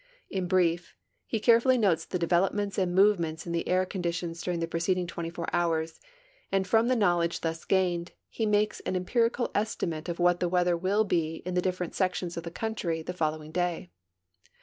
In brief, he carefully notes the developments and movements in the air conditions during the preceding 24 hours, and from the knowledge thus gained he makes an empirical estimate of what the weather will be in the different sections of the country the following day.